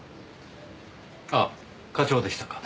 ああ課長でしたか。